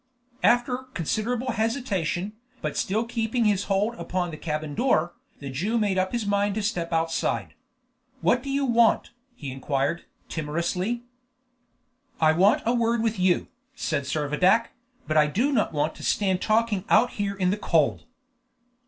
After considerable hesitation, but still keeping his hold upon the cabin door, the Jew made up his mind to step outside. "What do you want?" he inquired, timorously. "I want a word with you," said Servadac, "but I do not want to stand talking out here in the cold."